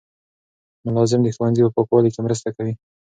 ملازم د ښوونځي په پاکوالي کې مرسته کوي.